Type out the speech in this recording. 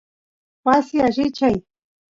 wasi allichay